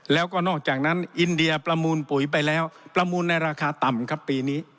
แล้วก็นอกจากนั้นอินเดียประมูลปุ๋ยไปแล้วประมูลในราคาต่ำครับปีนี้